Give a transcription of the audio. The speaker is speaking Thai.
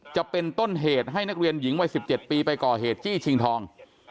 จะเป็นต้นเหตุให้นักเรียนหญิงวัย๑๗ปีไปก่อเหตุจี้ชิงทอง